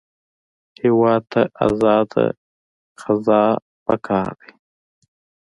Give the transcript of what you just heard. هېواد ته ازاد قضا پکار دی